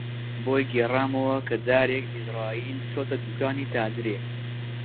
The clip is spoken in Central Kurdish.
بۆی گێڕامەوە کە جارێک عیزراییل چۆتە دووکانی تاجرێک